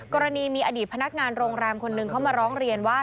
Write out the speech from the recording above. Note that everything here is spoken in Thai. กรณีมีอดีตพนักงานโรงแรมคนหนึ่งเขามาร้องเรียนว่า